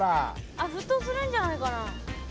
あっ沸騰するんじゃないかな？